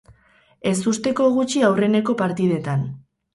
Ezusteko gutxi aurreneko partidetan.